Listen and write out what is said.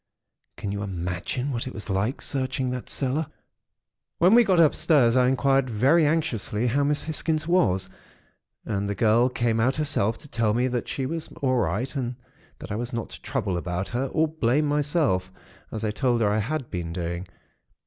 Can you imagine what it was like, searching that cellar? "When we got upstairs, I inquired very anxiously how Miss Hisgins was, and the girl came out herself to tell me that she was all right and that I was not to trouble about her, or blame myself, as I told her I had been doing.